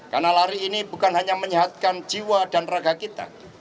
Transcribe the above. karena lari ini bukan hanya menyehatkan jiwa dan raga kita